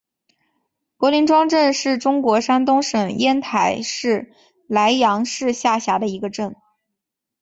柏林庄镇是中国山东省烟台市莱阳市下辖的一个镇。